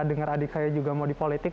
dengar adik saya juga mau di politik